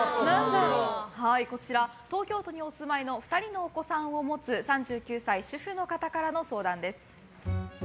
東京都にお住まいの２人のお子さんを持つ３９歳主婦の方からの相談です。